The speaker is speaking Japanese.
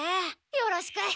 よろしく。